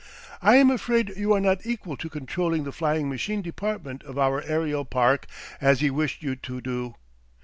I am afraid you are not equal to controlling the flying machine department of our aerial park as he wished you to do.